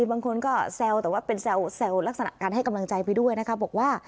บางคนก็แซวแต่ว่าเป็นแซวลักษณะการให้กำลังใจไปด้วยนะคะบอกว่า